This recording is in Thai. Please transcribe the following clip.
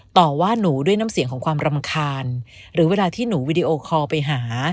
ต่อว่าหนูด้วยน้ำเสียงของความรำคาญหรือเวลาที่หนูวีดีโอคอลไปหา